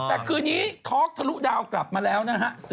แต่คืนนี้ท็อกทะลุดาวกลับมาแล้วนะฮะ